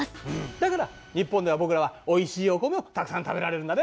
だから日本では僕らはおいしいお米をたくさん食べられるんだね。